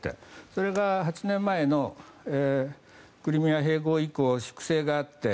それが８年前のクリミア併合以降粛清があって。